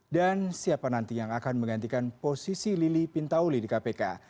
dan siapa nanti yang akan menggantikan posisi lili pintauli di kpk